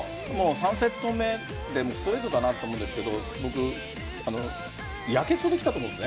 ３セット目ストレートだなと思ったんですが僕、やけくそできたと思うんです。